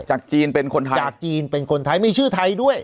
จากจีนเป็นคนไทยจากจีนเป็นคนไทยมีชื่อไทยด้วย